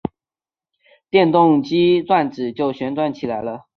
电动机转子就旋转起来了。